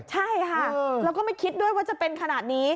ใช่ค่ะแล้วก็ไม่คิดด้วยว่าจะเป็นขนาดนี้